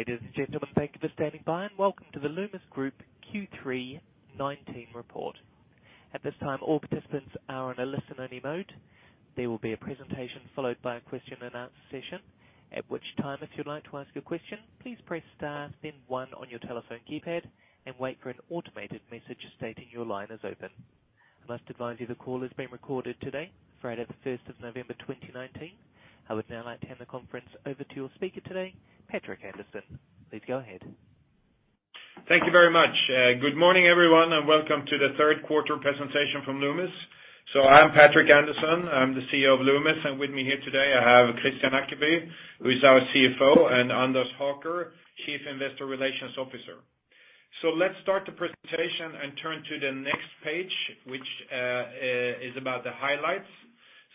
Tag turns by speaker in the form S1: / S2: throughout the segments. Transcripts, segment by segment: S1: Ladies and gentlemen, thank you for standing by and welcome to the Loomis Group Q3 2019 report. At this time, all participants are in a listen-only mode. There will be a presentation followed by a question and answer session. At which time, if you'd like to ask a question, please press star, then one on your telephone keypad and wait for an automated message stating your line is open. I must advise you the call is being recorded today, Friday the 1st of November, 2019. I would now like to hand the conference over to your speaker today, Patrik Andersson. Please go ahead.
S2: Thank you very much. Good morning, everyone, and welcome to the third quarter presentation from Loomis. I'm Patrik Andersson, I'm the CEO of Loomis, and with me here today I have Kristian Ackeby, who is our CFO, and Anders Haker, Chief Investor Relations Officer. Let's start the presentation and turn to the next page, which is about the highlights.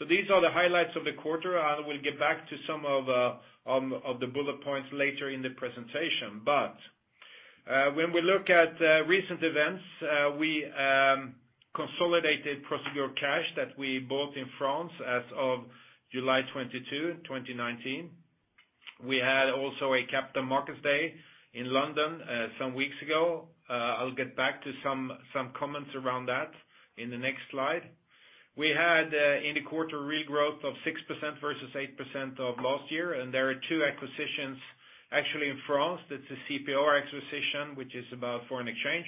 S2: These are the highlights of the quarter. I will get back to some of the bullet points later in the presentation. When we look at recent events, we consolidated Prosegur Cash that we bought in France as of July 22, 2019. We had also a Capital Markets Day in London some weeks ago. I'll get back to some comments around that in the next slide. We had, in the quarter, real growth of 6% versus 8% of last year. There are two acquisitions actually in France. That's the CPoR acquisition, which is about foreign exchange,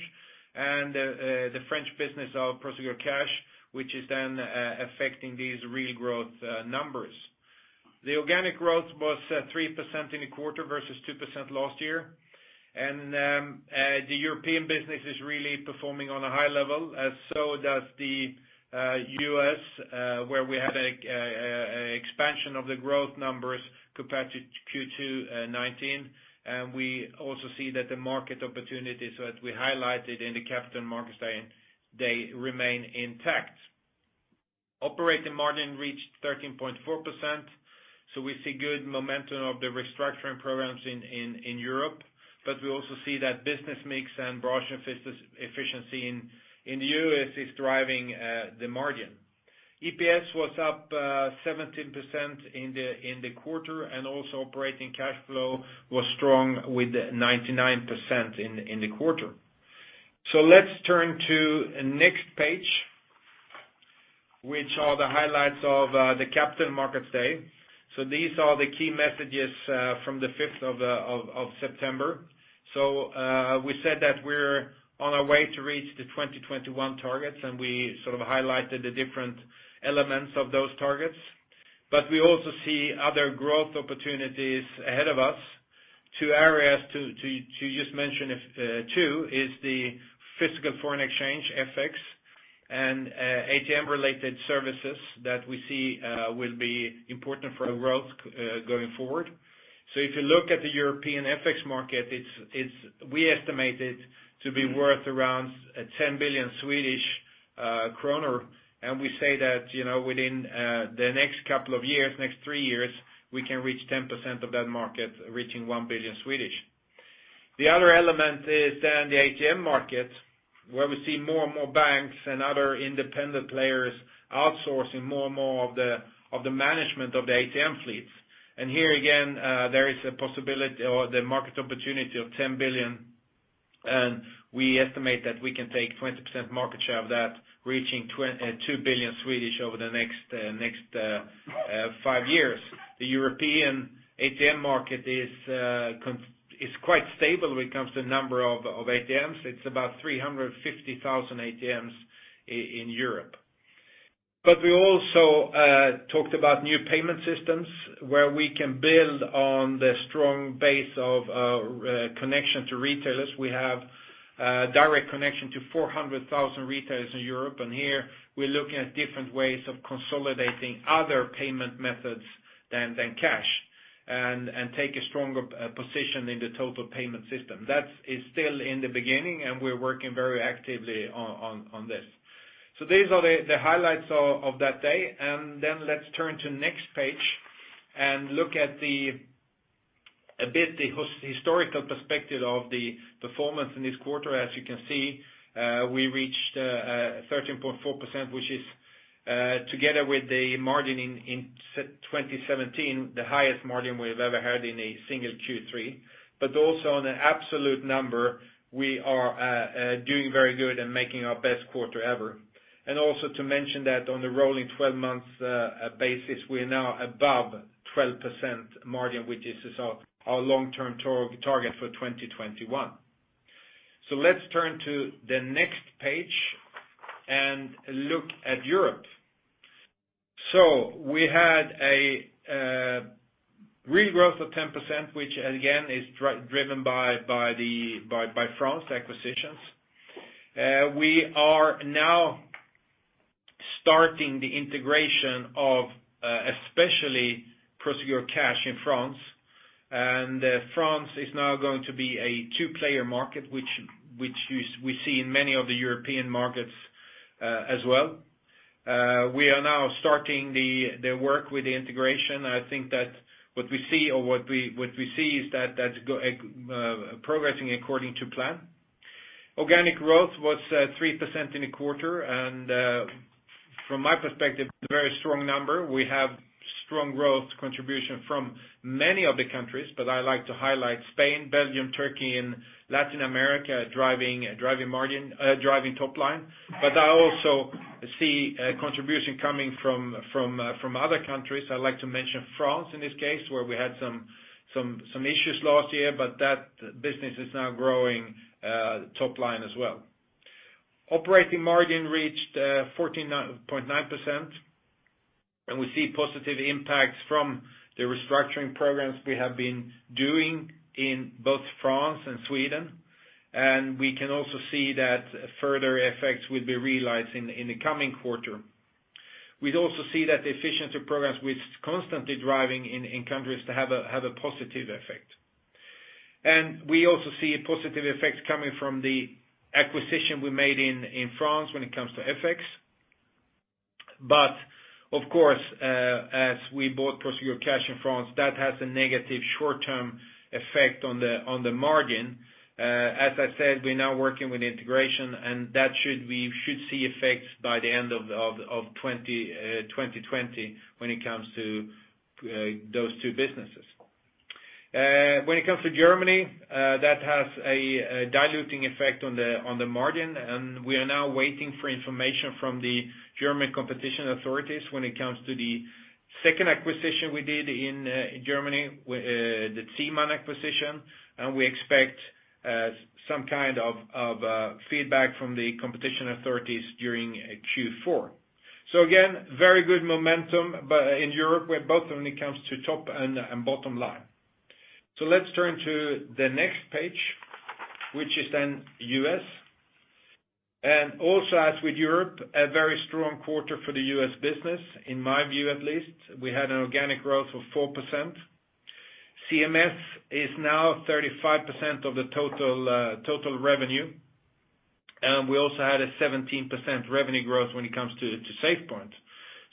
S2: and the French business of Prosegur Cash, which is then affecting these real growth numbers. The organic growth was 3% in the quarter versus 2% last year. The European business is really performing on a high level, as so does the U.S. where we had expansion of the growth numbers compared to Q2 '19. We also see that the market opportunities that we highlighted in the Capital Markets Day remain intact. Operating margin reached 13.4%, so we see good momentum of the restructuring programs in Europe, but we also see that business mix and branch efficiency in the U.S. is driving the margin. EPS was up 17% in the quarter, also operating cash flow was strong with 99% in the quarter. Let's turn to next page, which are the highlights of the Capital Markets Day. These are the key messages from the 5th of September. We said that we're on our way to reach the 2021 targets, and we sort of highlighted the different elements of those targets. We also see other growth opportunities ahead of us. Two areas to just mention if two is the physical foreign exchange, FX, and ATM related services that we see will be important for our growth going forward. If you look at the European FX market, we estimate it to be worth around 10 billion Swedish kronor. We say that within the next couple of years, next three years, we can reach 10% of that market, reaching 1 billion. The other element is then the ATM market, where we see more and more banks and other independent players outsourcing more and more of the management of the ATM fleets. Here again there is a possibility or the market opportunity of 10 billion, and we estimate that we can take 20% market share of that, reaching 2 billion over the next five years. The European ATM market is quite stable when it comes to number of ATMs. It's about 350,000 ATMs in Europe. We also talked about new payment systems where we can build on the strong base of connection to retailers. We have direct connection to 400,000 retailers in Europe, and here we're looking at different ways of consolidating other payment methods than cash and take a stronger position in the total payment system. That is still in the beginning, and we're working very actively on this. These are the highlights of that day, and then let's turn to next page and look at a bit the historical perspective of the performance in this quarter. As you can see, we reached 13.4%, which is together with the margin in 2017, the highest margin we've ever had in a single Q3. Also on an absolute number, we are doing very good and making our best quarter ever. Also to mention that on the rolling 12 months basis, we are now above 12% margin, which is our long-term target for 2021. Let's turn to the next page and look at Europe. We had a real growth of 10%, which again is driven by France acquisitions. We are now starting the integration of especially Prosegur Cash in France. France is now going to be a two-player market, which we see in many of the European markets as well. We are now starting the work with the integration. I think that what we see is that's progressing according to plan. Organic growth was 3% in a quarter. From my perspective, very strong number. We have strong growth contribution from many of the countries. I like to highlight Spain, Belgium, Turkey, and Latin America, driving top line. I also see contribution coming from other countries. I like to mention France in this case, where we had some issues last year. That business is now growing top line as well. Operating margin reached 14.9%. We see positive impacts from the restructuring programs we have been doing in both France and Sweden. We can also see that further effects will be realized in the coming quarter. We'd also see that the efficiency programs, which constantly driving in countries to have a positive effect. We also see a positive effect coming from the acquisition we made in France when it comes to FX. Of course, as we bought Prosegur Cash in France, that has a negative short-term effect on the margin. As I said, we're now working with integration, and that we should see effects by the end of 2020 when it comes to those two businesses. When it comes to Germany, that has a diluting effect on the margin, and we are now waiting for information from the German competition authorities when it comes to the second acquisition we did in Germany, the Ziemann acquisition. We expect some kind of feedback from the competition authorities during Q4. Again, very good momentum, but in Europe, where both when it comes to top and bottom line. Let's turn to the next page, which is then U.S. Also as with Europe, a very strong quarter for the U.S. business, in my view, at least. We had an organic growth of 4%. CMS is now 35% of the total revenue. We also had a 17% revenue growth when it comes to SafePoint.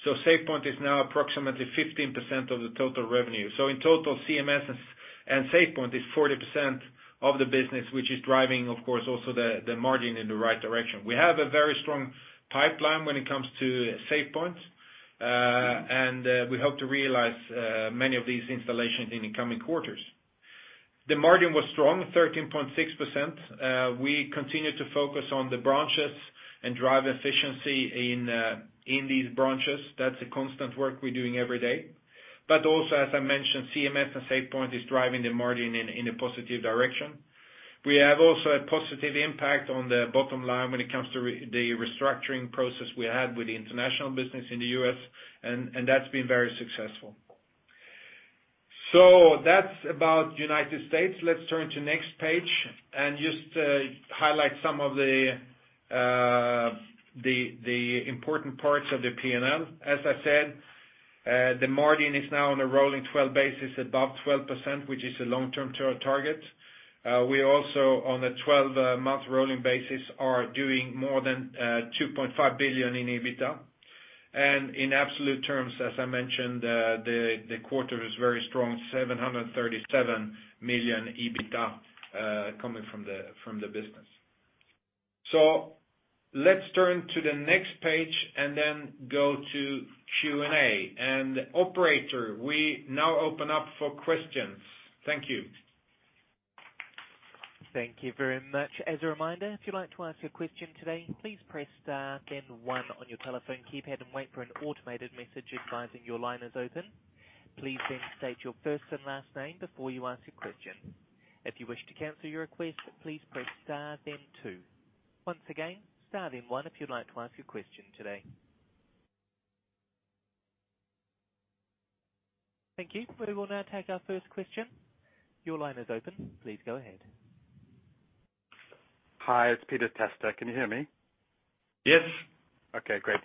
S2: SafePoint is now approximately 15% of the total revenue. In total, CMS and SafePoint is 40% of the business, which is driving, of course, also the margin in the right direction. We have a very strong pipeline when it comes to SafePoint. We hope to realize many of these installations in the coming quarters. The margin was strong, 13.6%. We continue to focus on the branches and drive efficiency in these branches. That's a constant work we're doing every day. Also, as I mentioned, CMS and SafePoint is driving the margin in a positive direction. We have also a positive impact on the bottom line when it comes to the restructuring process we had with the international business in the U.S., that's been very successful. That's about United States. Let's turn to next page and just highlight some of the important parts of the P&L. As I said, the margin is now on a rolling 12 basis above 12%, which is a long-term target. We also, on a 12-month rolling basis, are doing more than 2.5 billion in EBITDA. In absolute terms, as I mentioned, the quarter is very strong, 737 million EBITDA coming from the business. Let's turn to the next page go to Q&A. Operator, we now open up for questions. Thank you.
S1: Thank you very much. As a reminder, if you'd like to ask a question today, please press star then one on your telephone keypad and wait for an automated message advising your line is open. Please then state your first and last name before you ask your question. If you wish to cancel your request, please press star then two. Once again, star then one if you'd like to ask your question today. Thank you. We will now take our first question. Your line is open. Please go ahead.
S3: Hi, it's Peter Testa. Can you hear me?
S2: Yes.
S3: Okay, great.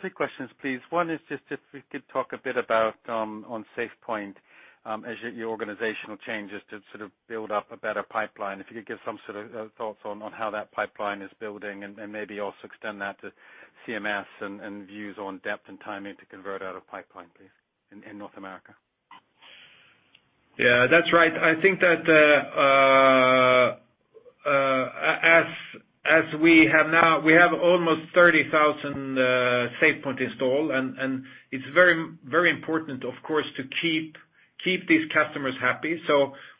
S3: Three questions, please. One is just if we could talk a bit about on SafePoint, as your organizational changes to sort of build up a better pipeline. If you could give some sort of thoughts on how that pipeline is building and then maybe also extend that to CMS and views on depth and timing to convert out of pipeline, please, in North America.
S2: Yeah, that's right. I think that as we have now, we have almost 30,000 SafePoint installed, and it's very important, of course, to keep these customers happy.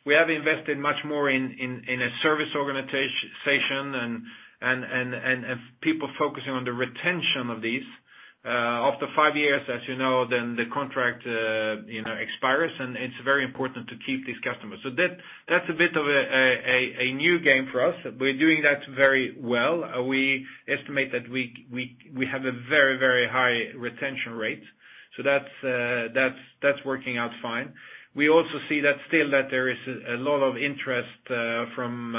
S2: We have invested much more in a service organization and people focusing on the retention of these. After five years, as you know, then the contract expires, and it's very important to keep these customers. That's a bit of a new game for us. We're doing that very well. We estimate that we have a very high retention rate. That's working out fine. We also see that still that there is a lot of interest from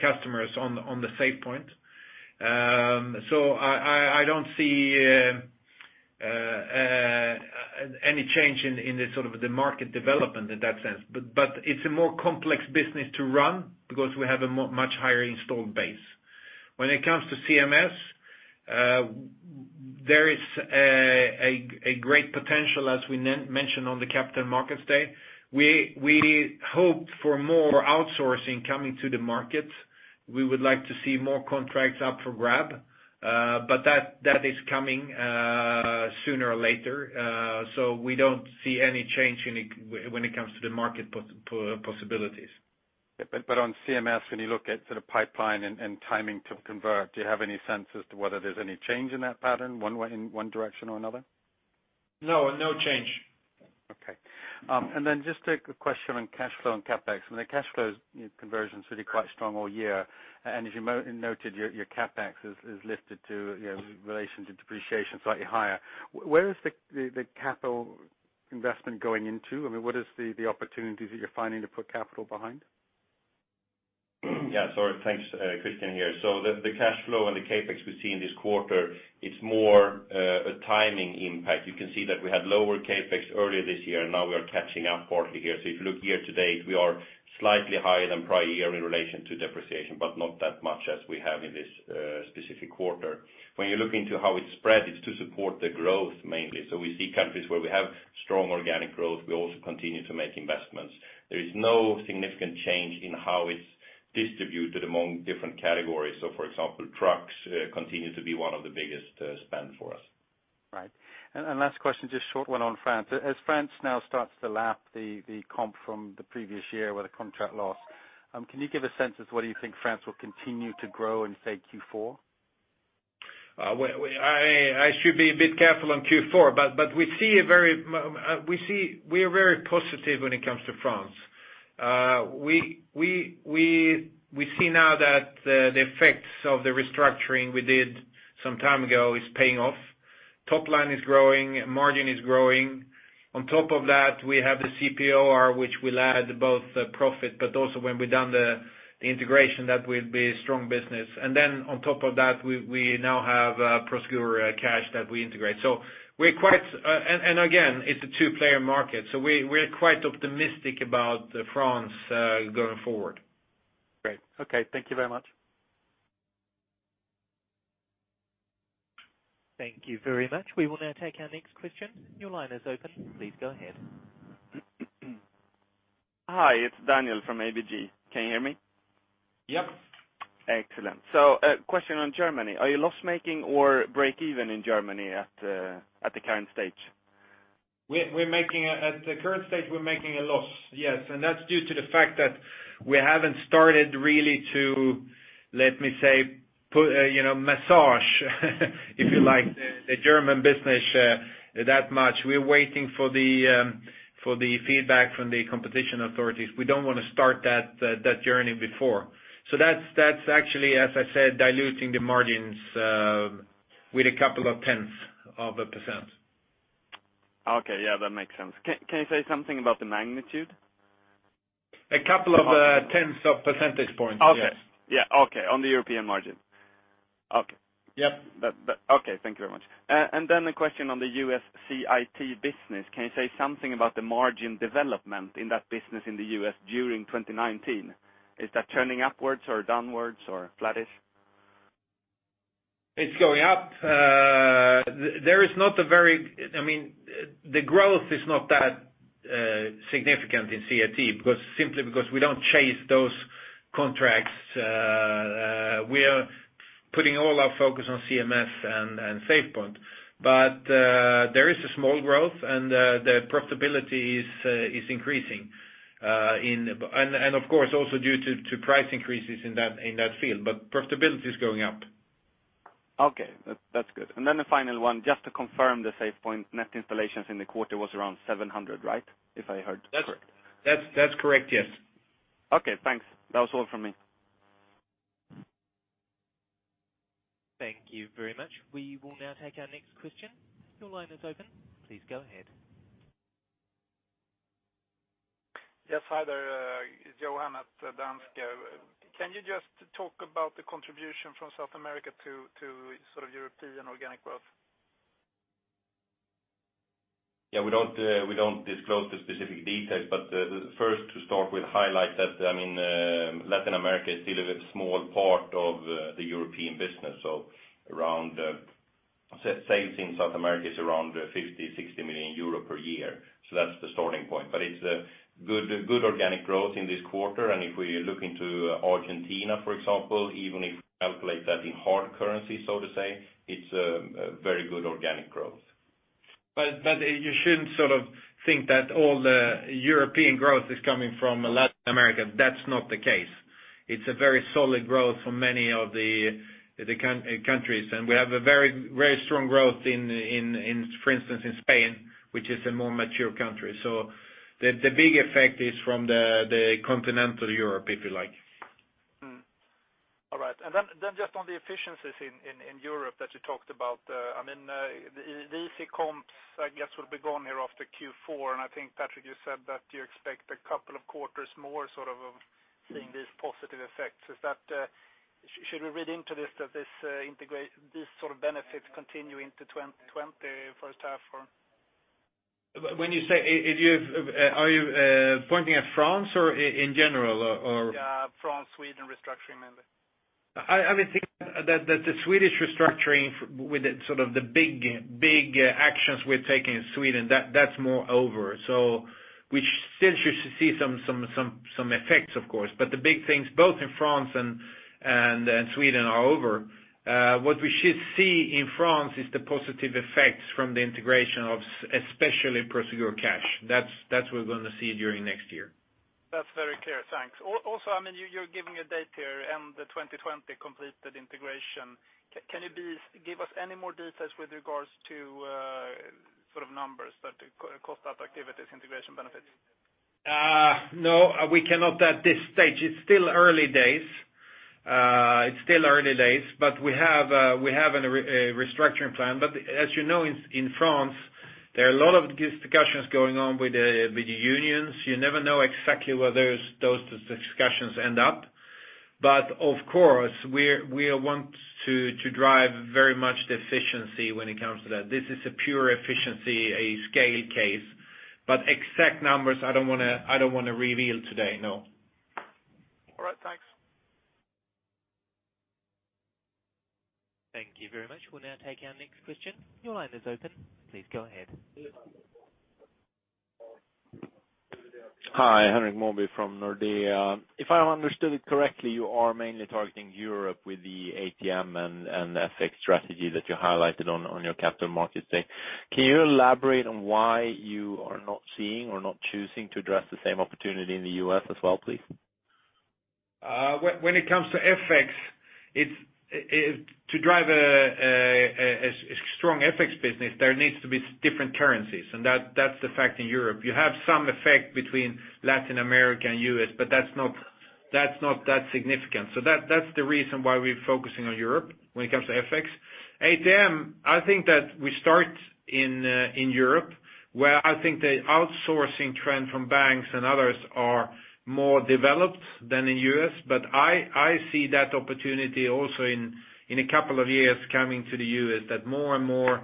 S2: customers on the SafePoint. I don't see any change in the sort of the market development in that sense. It's a more complex business to run because we have a much higher installed base. When it comes to CMS, there is a great potential, as we mentioned on the Capital Markets Day. We hope for more outsourcing coming to the market. We would like to see more contracts up for grab. That is coming sooner or later. We don't see any change when it comes to the market possibilities.
S3: On CMS, when you look at sort of pipeline and timing to convert, do you have any sense as to whether there's any change in that pattern, in one direction or another?
S2: No. No change.
S3: Okay. Just a quick question on cash flow and CapEx. I mean, the cash flow conversion has been quite strong all year, and as you noted, your CapEx is lifted to relation to depreciation slightly higher. Where is the capital investment going into? I mean, what is the opportunities that you're finding to put capital behind?
S4: Yeah, sorry. Thanks. Kristian here. The cash flow and the CapEx we see in this quarter, it's more a timing impact. You can see that we had lower CapEx earlier this year, and now we are catching up quarterly here. If you look year to date, we are slightly higher than prior year in relation to depreciation, but not that much as we have in this specific quarter. When you look into how it's spread, it's to support the growth mainly. We see countries where we have strong organic growth. We also continue to make investments. There is no significant change in how it's distributed among different categories. For example, trucks continue to be one of the biggest spend for us.
S3: Right. Last question, just a short one on France. As France now starts to lap the comp from the previous year with a contract loss, can you give a sense as to whether you think France will continue to grow in, say, Q4?
S2: I should be a bit careful on Q4, but we are very positive when it comes to France. We see now that the effects of the restructuring we did some time ago is paying off. Top line is growing, margin is growing. On top of that, we have the CPoR, which will add both profit, but also when we're done the integration, that will be strong business. On top of that, we now have Prosegur Cash that we integrate. Again, it's a two-player market. We're quite optimistic about France going forward.
S3: Great. Okay. Thank you very much.
S1: Thank you very much. We will now take our next question. Your line is open. Please go ahead.
S5: Hi, it's Daniel from ABG. Can you hear me?
S2: Yep.
S5: Excellent. A question on Germany. Are you loss-making or break even in Germany at the current stage?
S2: At the current stage, we're making a loss, yes. That's due to the fact that we haven't started really to, let me say, massage if you like, the German business that much. We're waiting for the feedback from the competition authorities. We don't want to start that journey before. That's actually, as I said, diluting the margins with a couple of tenths of a %.
S5: Okay. Yeah, that makes sense. Can you say something about the magnitude?
S2: A couple of tenths of percentage points, yes.
S5: Okay. Yeah. Okay, on the European margin. Okay.
S2: Yep.
S5: Okay. Thank you very much. Then a question on the U.S. CIT business. Can you say something about the margin development in that business in the U.S. during 2019? Is that turning upwards or downwards, or flattish?
S2: It's going up. The growth is not that significant in CIT, simply because we don't chase those contracts. We are putting all our focus on CMS and SafePoint. There is a small growth, and the profitability is increasing. Of course, also due to price increases in that field, but profitability is going up.
S5: Okay, that's good. The final one, just to confirm, the SafePoint net installations in the quarter was around 700, right? If I heard correctly.
S2: That's correct, yes.
S5: Okay, thanks. That was all from me.
S1: Thank you very much. We will now take our next question. Your line is open. Please go ahead.
S6: Yes. Hi there. It's Johan at Danske. Can you just talk about the contribution from South America to sort of European organic growth?
S4: Yeah, we don't disclose the specific details. First to start with, highlight that Latin America is still a very small part of the European business. Sales in South America is around 50 million-60 million euro per year. That's the starting point. It's good organic growth in this quarter. If we look into Argentina, for example, even if we calculate that in hard currency, so to say, it's very good organic growth.
S2: You shouldn't sort of think that all the European growth is coming from Latin America. That's not the case. It's a very solid growth for many of the countries. We have a very strong growth, for instance, in Spain, which is a more mature country. The big effect is from the continental Europe, if you like.
S6: All right. Just on the efficiencies in Europe that you talked about, I mean, the easy comps, I guess, will be gone here after Q4. I think, Patrik, you said that you expect a couple of quarters more sort of seeing these positive effects. Should we read into this that these sort of benefits continue into 2020 first half or?
S2: When you say it, are you pointing at France or in general?
S6: Yeah, France, Sweden restructuring mainly.
S2: I would think that the Swedish restructuring with the big actions we're taking in Sweden, that's more over. We still should see some effects, of course, but the big things both in France and Sweden are over. What we should see in France is the positive effects from the integration of especially Prosegur Cash. That's what we're going to see during next year.
S6: That's very clear. Thanks. You're giving a date here, end of 2020 completed integration. Can you give us any more details with regards to sort of numbers that cost out activities, integration benefits?
S2: No, we cannot at this stage. It's still early days. We have a restructuring plan. As you know, in France, there are a lot of discussions going on with the unions. You never know exactly where those discussions end up. Of course, we want to drive very much the efficiency when it comes to that. This is a pure efficiency, a scale case. Exact numbers, I don't want to reveal today. No.
S6: All right. Thanks.
S1: Thank you very much. We will now take our next question. Your line is open. Please go ahead.
S7: Hi, Henrik Mawby from Nordea. If I understood it correctly, you are mainly targeting Europe with the ATM and FX strategy that you highlighted on your capital market today. Can you elaborate on why you are not seeing or not choosing to address the same opportunity in the U.S. as well, please?
S2: When it comes to FX, to drive a strong FX business, there needs to be different currencies, and that's the fact in Europe. You have some FX between Latin America and U.S. That's not that significant. That's the reason why we're focusing on Europe when it comes to FX. ATM, I think that we start in Europe, where I think the outsourcing trend from banks and others are more developed than in U.S. I see that opportunity also in a couple of years coming to the U.S., that more and more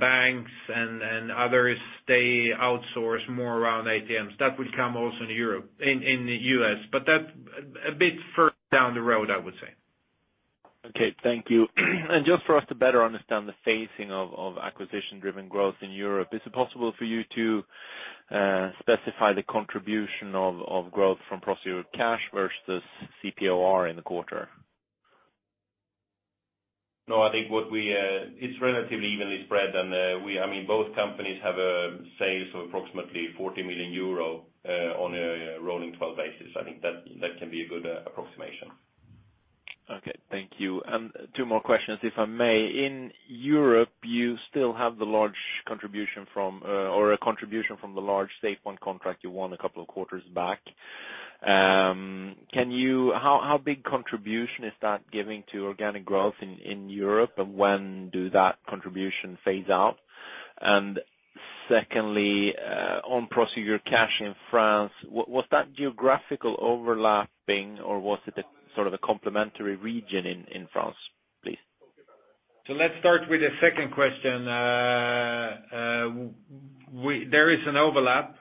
S2: banks and others stay outsourced more around ATMs. That will come also in the U.S. That a bit further down the road, I would say.
S7: Okay, thank you. Just for us to better understand the phasing of acquisition-driven growth in Europe, is it possible for you to specify the contribution of growth from Prosegur Cash versus CPoR in the quarter?
S2: No, I think it's relatively evenly spread, and both companies have a sales of approximately 40 million euro on a rolling 12 basis. I think that can be a good approximation.
S7: Okay, thank you. Two more questions, if I may. In Europe, you still have the large contribution from or a contribution from the large SafePoint contract you won a couple of quarters back. How big contribution is that giving to organic growth in Europe? When do that contribution phase out? Secondly, on Prosegur Cash in France, was that geographical overlapping or was it a sort of a complementary region in France, please?
S2: Let's start with the second question. There is an overlap.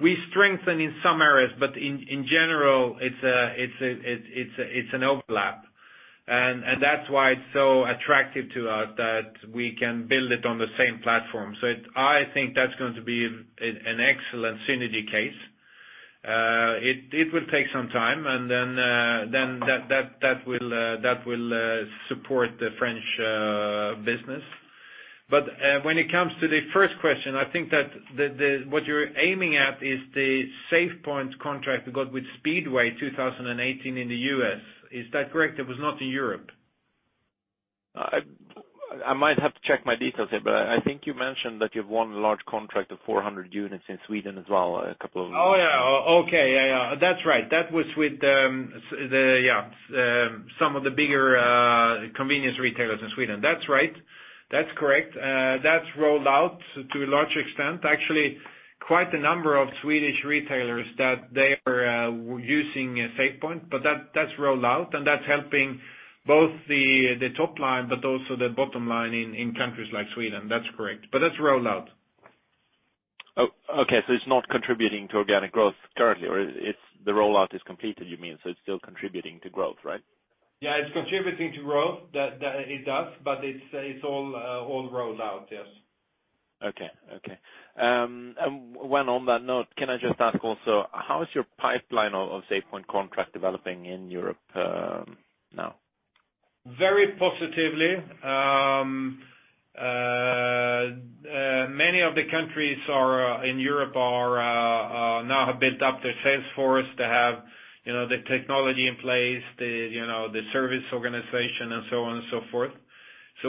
S2: We strengthen in some areas, but in general, it's an overlap. That's why it's so attractive to us that we can build it on the same platform. I think that's going to be an excellent synergy case. It will take some time, and then that will support the French business. When it comes to the first question, I think that what you're aiming at is the SafePoint contract we got with Speedway 2018 in the U.S. Is that correct? It was not in Europe.
S7: I might have to check my details here, but I think you mentioned that you've won a large contract of 400 units in Sweden as well a couple of months.
S2: Oh, yeah. Okay. Yeah. That's right. That was with some of the bigger convenience retailers in Sweden. That's right. That's correct. That's rolled out to a large extent, actually, quite a number of Swedish retailers that they are using SafePoint, but that's rolled out, and that's helping both the top line, but also the bottom line in countries like Sweden. That's correct. That's rolled out.
S7: Okay. It's not contributing to organic growth currently, or the rollout is completed, you mean? It's still contributing to growth, right?
S2: Yeah, it's contributing to growth. That it does, but it's all rolled out. Yes.
S7: Okay. When on that note, can I just ask also, how is your pipeline of SafePoint contract developing in Europe now?
S2: Very positively. Many of the countries in Europe now have built up their sales force. They have the technology in place, the service organization and so on and so forth.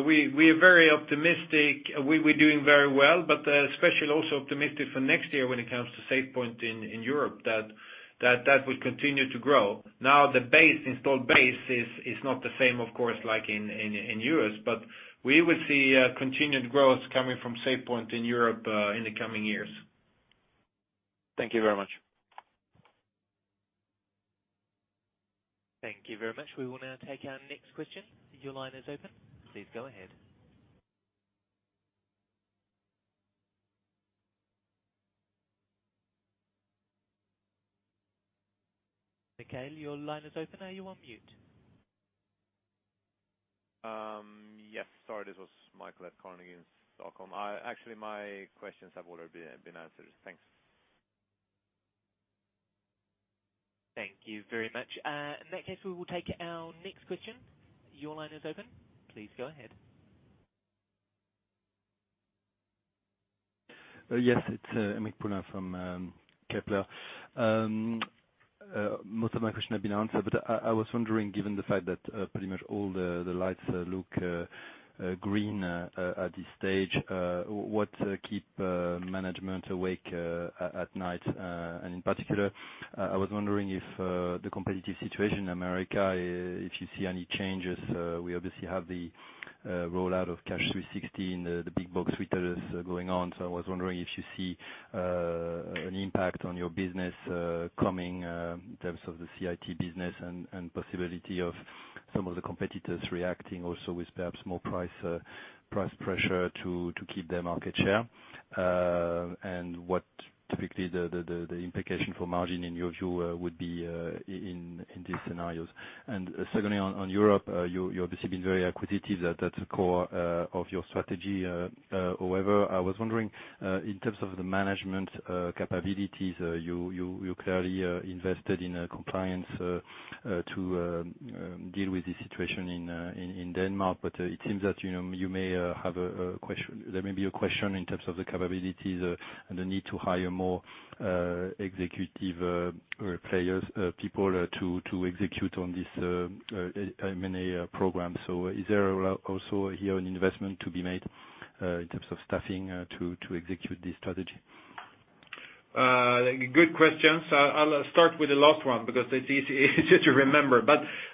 S2: We are very optimistic. We're doing very well, but especially also optimistic for next year when it comes to SafePoint in Europe that that will continue to grow. The installed base is not the same, of course, like in U.S., but we will see continued growth coming from SafePoint in Europe in the coming years.
S7: Thank you very much.
S1: Thank you very much. We will now take our next question. Your line is open. Please go ahead. Mikael, your line is open. Are you on mute?
S8: Yes. Sorry, this was Mikael at Carnegie Stockholm. Actually, my questions have already been answered. Thanks.
S1: Thank you very much. In that case, we will take our next question. Your line is open. Please go ahead.
S9: Yes, it's Erik Paulsson from Kepler. Most of my question has been answered, but I was wondering, given the fact that pretty much all the lights look green at this stage, what keeps management awake at night? In particular, I was wondering if the competitive situation in America, if you see any changes. We obviously have the rollout of Loomis 360 and the big box retailers going on. I was wondering if you see an impact on your business coming in terms of the CIT business and possibility of some of the competitors reacting also with perhaps more price pressure to keep their market share. What typically the implication for margin in your view would be in these scenarios? Secondly, on Europe, you obviously been very acquisitive. That's the core of your strategy. I was wondering in terms of the management capabilities, you clearly invested in compliance to deal with the situation in Denmark. It seems that there may be a question in terms of the capabilities and the need to hire more executive or players, people to execute on this M&A program. Is there also here an investment to be made in terms of staffing to execute this strategy?
S2: Good questions. I'll start with the last one because it's easy to remember.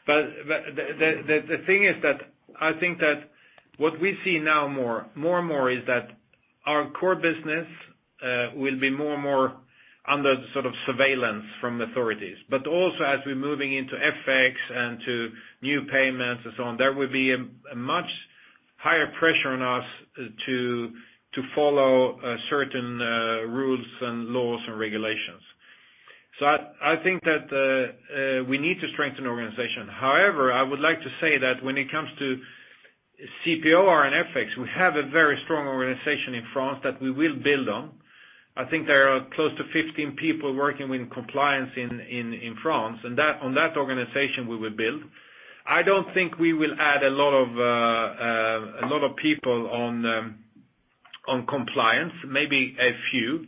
S2: The thing is that I think that what we see now more and more is that our core business will be more and more under the sort of surveillance from authorities, also as we're moving into FX and to new payments and so on, there will be a much higher pressure on us to follow certain rules and laws and regulations. I think that we need to strengthen the organization. However, I would like to say that when it comes to CPoR in FX, we have a very strong organization in France that we will build on. I think there are close to 15 people working with compliance in France. On that organization, we will build. I don't think we will add a lot of people on compliance, maybe a few.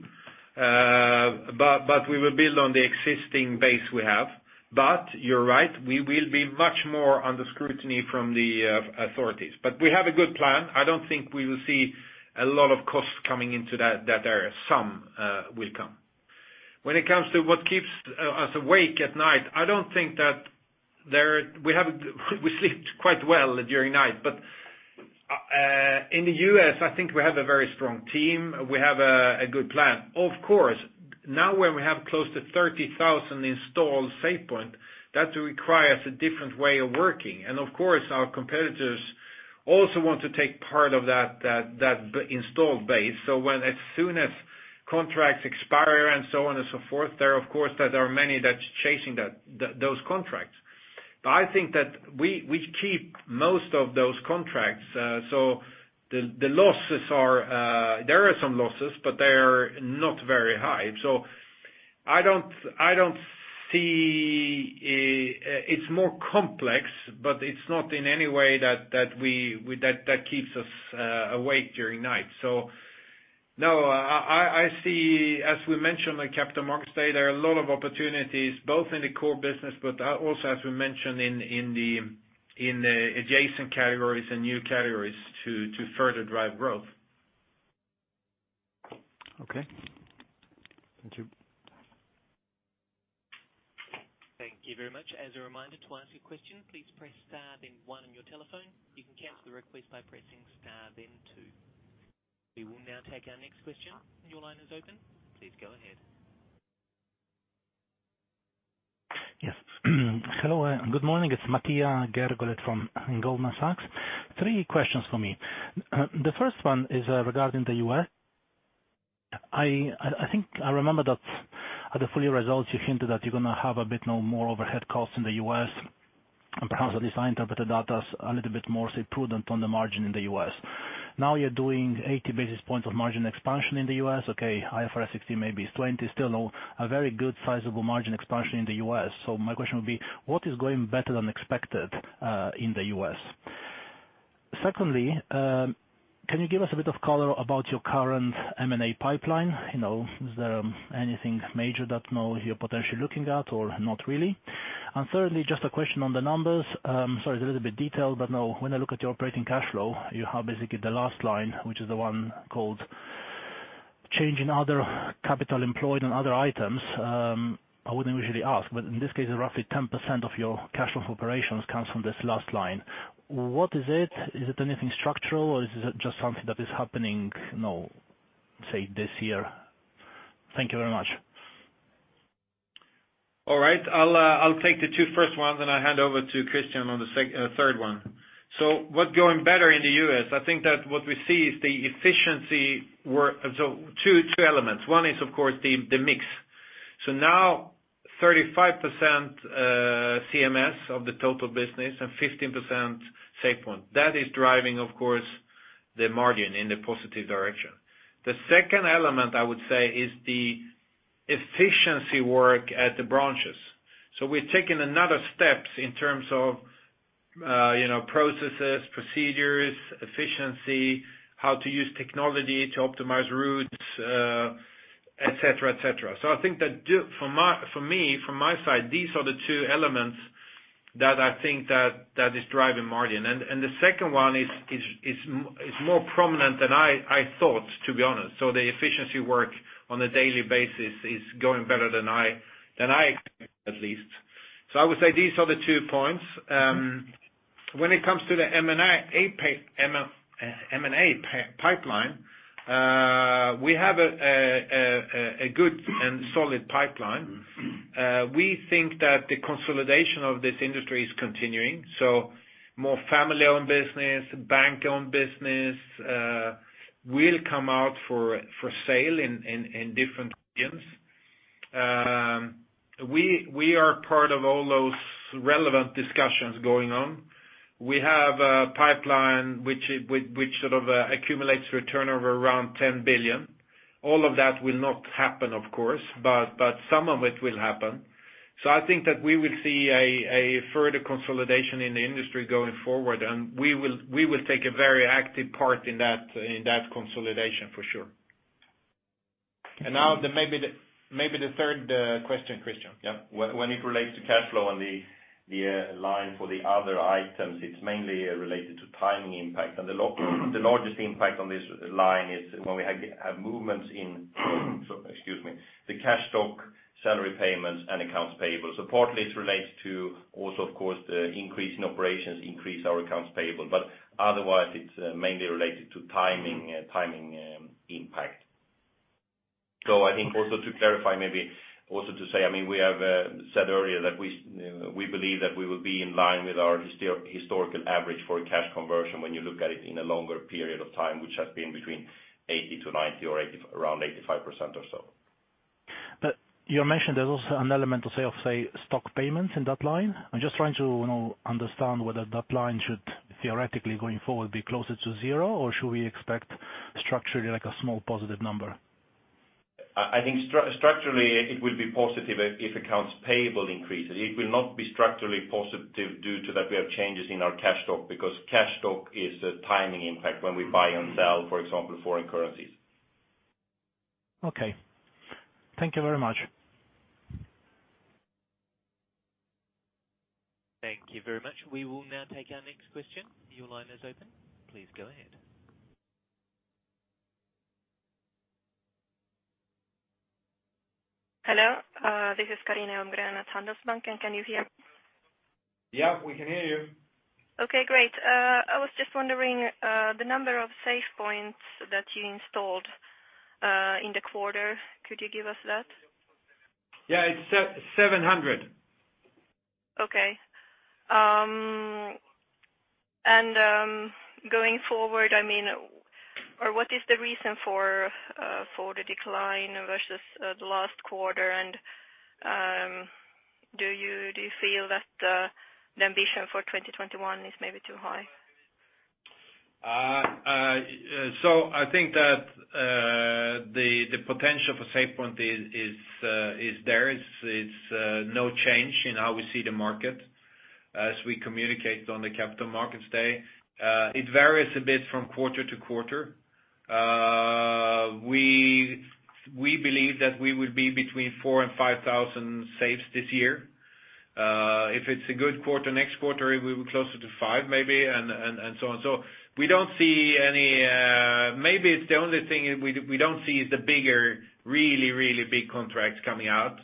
S2: We will build on the existing base we have. You're right, we will be much more under scrutiny from the authorities. We have a good plan. I don't think we will see a lot of costs coming into that area. Some will come. When it comes to what keeps us awake at night, we sleep quite well during night. In the U.S., I think we have a very strong team. We have a good plan. Of course, now when we have close to 30,000 installed SafePoint, that requires a different way of working. Of course, our competitors also want to take part of that installed base. As soon as contracts expire and so on and so forth, there are of course, many that's chasing those contracts. I think that we keep most of those contracts. There are some losses, but they're not very high. It's more complex, but it's not in any way that keeps us awake during night. No, I see, as we mentioned on Capital Markets Day, there are a lot of opportunities both in the core business, but also as we mentioned in the adjacent categories and new categories to further drive growth.
S9: Okay. Thank you.
S1: Thank you very much. As a reminder, to ask a question, please press star then one on your telephone. You can cancel the request by pressing star then two. We will now take our next question. Your line is open. Please go ahead.
S10: Yes. Hello, and good morning. It's Matija Gergolet from Goldman Sachs. Three questions for me. The first one is regarding the U.S. I think I remember that at the full year results, you hinted that you're going to have a bit more overhead costs in the U.S., and perhaps at least I interpreted that as a little bit more, say, prudent on the margin in the U.S. You're doing 80 basis points of margin expansion in the U.S., okay, IFRS 16 maybe is 20, still a very good sizable margin expansion in the U.S. My question would be, what is going better than expected in the U.S.? Secondly, can you give us a bit of color about your current M&A pipeline? Is there anything major that you're potentially looking at or not really? Thirdly, just a question on the numbers. Sorry, it's a little bit detailed, but when I look at your operating cash flow, you have basically the last line, which is the one called change in other capital employed and other items. I wouldn't usually ask, but in this case, roughly 10% of your cash flow from operations comes from this last line. What is it? Is it anything structural or is it just something that is happening, say, this year? Thank you very much.
S2: All right. I'll take the two first ones. I'll hand over to Kristian on the third one. What's going better in the U.S.? I think that what we see is the efficiency work. Two elements. One is, of course, the mix. Now 35% CMS of the total business and 15% SafePoint. That is driving, of course, the margin in the positive direction. The second element, I would say, is the efficiency work at the branches. We've taken another steps in terms of processes, procedures, efficiency, how to use technology to optimize routes, et cetera. I think for me, from my side, these are the two elements that I think that is driving margin. The second one is more prominent than I thought, to be honest. The efficiency work on a daily basis is going better than I expected, at least. I would say these are the two points. When it comes to the M&A pipeline, we have a good and solid pipeline. We think that the consolidation of this industry is continuing, so more family-owned business, bank-owned business will come out for sale in different regions. We are part of all those relevant discussions going on. We have a pipeline which sort of accumulates return over around 10 billion. All of that will not happen, of course, but some of it will happen. I think that we will see a further consolidation in the industry going forward, and we will take a very active part in that consolidation for sure. Now, maybe the third question, Kristian.
S4: Yeah. When it relates to cash flow and the line for the other items, it's mainly related to timing impact. The largest impact on this line is when we have movements in excuse me, the cash stock, salary payments, and accounts payable. Partly it's related to also, of course, the increase in operations increase our accounts payable, but otherwise it's mainly related to timing impact. I think also to clarify, maybe also to say, we have said earlier that we believe that we will be in line with our historical average for cash conversion when you look at it in a longer period of time, which has been between 80-90 or around 85% or so.
S10: You mentioned there's also an element of, say, stock payments in that line. I'm just trying to understand whether that line should theoretically, going forward, be closer to zero, or should we expect structurally, like a small positive number?
S4: I think structurally it will be positive if accounts payable increases. It will not be structurally positive due to that we have changes in our cash stock, because cash stock is a timing impact when we buy and sell, for example, foreign currencies.
S10: Okay. Thank you very much.
S1: Thank you very much. We will now take our next question. Your line is open. Please go ahead.
S11: Hello. This is Carina Holmgren at Handelsbanken. Can you hear me?
S2: Yeah, we can hear you.
S11: Okay, great. I was just wondering, the number of SafePoints that you installed in the quarter. Could you give us that?
S2: Yeah, it's 700.
S11: Okay. Going forward, or what is the reason for the decline versus the last quarter, and do you feel that the ambition for 2021 is maybe too high?
S2: I think that the potential for SafePoint is there. It's no change in how we see the market. As we communicated on the Capital Markets Day, it varies a bit from quarter to quarter. We believe that we will be between 4,000 and 5,000 safes this year. If it's a good quarter next quarter, we will be closer to 5 maybe, and so on. Maybe it's the only thing we don't see is the bigger, really, really big contracts coming out.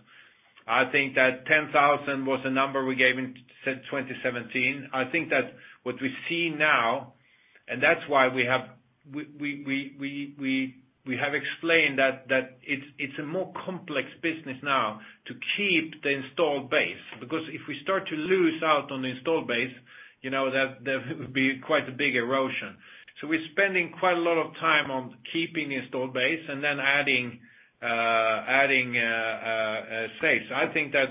S2: I think that 10,000 was a number we gave in 2017. I think that what we see now, and that's why we have explained that it's a more complex business now to keep the installed base. Because if we start to lose out on the installed base, there would be quite a big erosion. We're spending quite a lot of time on keeping the installed base and then adding safes. I think that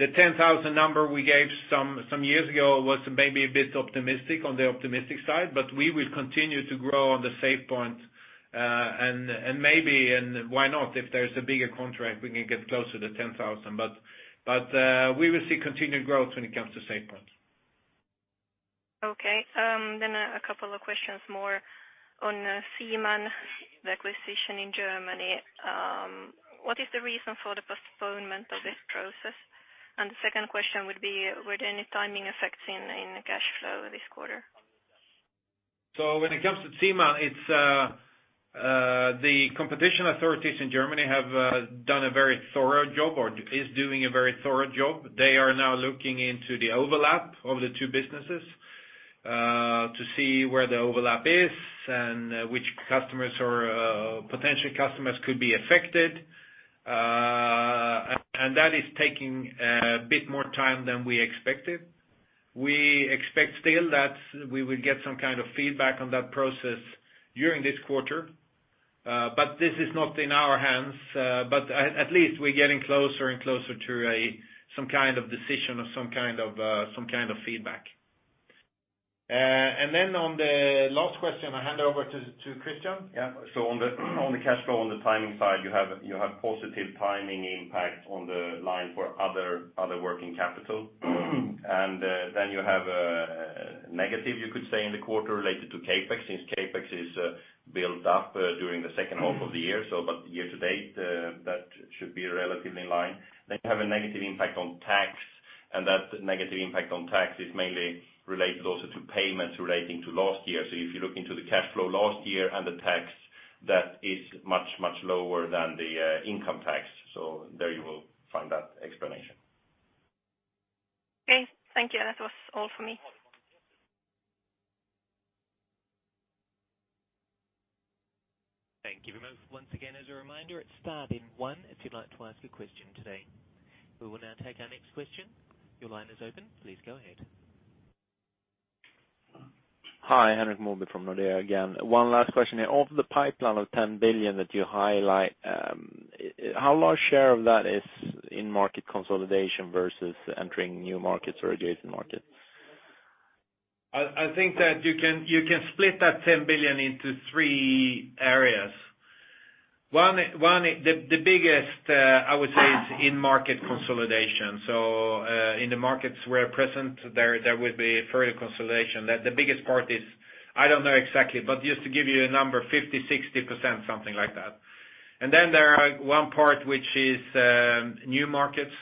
S2: the 10,000 number we gave some years ago was maybe a bit optimistic on the optimistic side, but we will continue to grow on the SafePoint, and maybe, and why not, if there's a bigger contract, we can get closer to 10,000. We will see continued growth when it comes to SafePoint.
S11: Okay. A couple of questions more on Ziemann, the acquisition in Germany. What is the reason for the postponement of this process? The second question would be, were there any timing effects in cash flow this quarter?
S2: When it comes to Ziemann, the competition authorities in Germany have done a very thorough job or is doing a very thorough job. They are now looking into the overlap of the two businesses to see where the overlap is and which customers or potential customers could be affected. That is taking a bit more time than we expected. We expect still that we will get some kind of feedback on that process during this quarter, but this is not in our hands. At least we're getting closer and closer to some kind of decision or some kind of feedback. On the last question, I'll hand over to Kristian.
S4: Yeah. On the cash flow, on the timing side, you have positive timing impact on the line for other working capital. You have a negative, you could say, in the quarter related to CapEx, since CapEx is built up during the second half of the year. Year to date, that should be relatively in line. You have a negative impact on tax, and that negative impact on tax is mainly related also to payments relating to last year. If you look into the cash flow last year and the tax, that is much, much lower than the income tax. There you will find that explanation.
S11: Okay. Thank you. That was all for me.
S1: Thank you very much. Once again, as a reminder, it is star then one if you would like to ask a question today. We will now take our next question. Your line is open. Please go ahead.
S12: Hi, Henrik Möller from Nordea again. One last question. Of the pipeline of 10 billion that you highlight, how large share of that is in market consolidation versus entering new markets or adjacent markets?
S2: I think that you can split that 10 billion into three areas. One, the biggest, I would say, is in market consolidation. In the markets we're present, there will be further consolidation. The biggest part is, I don't know exactly, but just to give you a number, 50%, 60%, something like that. Then there are one part which is new markets.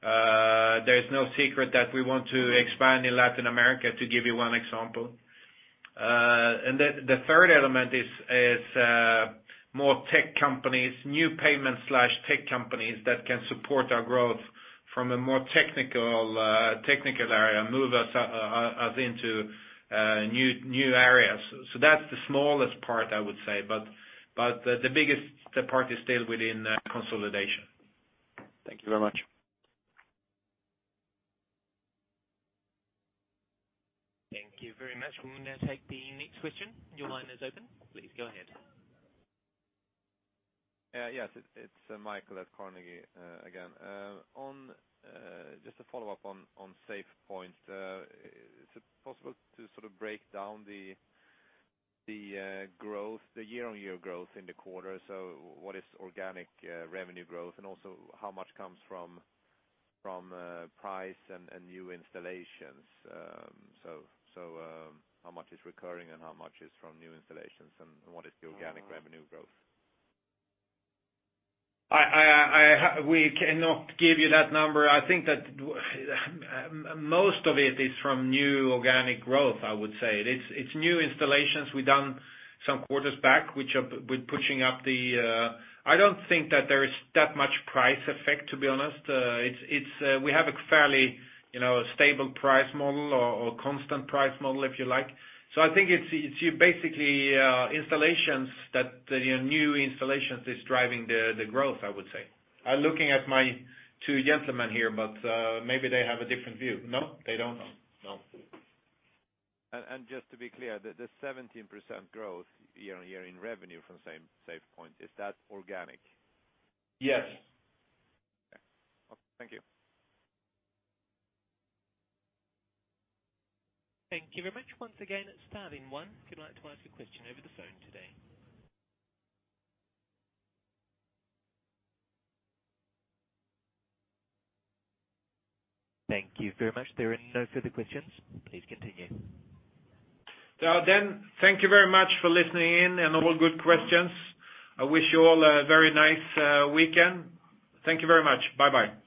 S2: There is no secret that we want to expand in Latin America, to give you one example. The third element is more tech companies, new payment/tech companies that can support our growth from a more technical area, move us into new areas. That's the smallest part, I would say, but the biggest part is still within consolidation.
S12: Thank you very much.
S1: Thank you very much. We'll now take the next question. Your line is open. Please go ahead.
S13: Yes, it's Mikael at Carnegie again. Just to follow up on SafePoint. Is it possible to break down the year-on-year growth in the quarter? What is organic revenue growth and also how much comes from price and new installations? How much is recurring and how much is from new installations and what is the organic revenue growth?
S2: We cannot give you that number. I think that most of it is from new organic growth, I would say. It's new installations we done some quarters back, which are with pushing up. I don't think that there is that much price effect, to be honest. We have a fairly stable price model or constant price model, if you like. I think it's basically new installations is driving the growth, I would say. I'm looking at my two gentlemen here, but maybe they have a different view. No, they don't know. No.
S13: Just to be clear, the 17% growth year-on-year in revenue from SafePoint, is that organic?
S2: Yes.
S13: Okay. Thank you.
S1: Thank you very much. Once again, star then one if you'd like to ask a question over the phone today. Thank you very much. There are no further questions. Please continue.
S2: Thank you very much for listening in and all good questions. I wish you all a very nice weekend. Thank you very much. Bye-bye.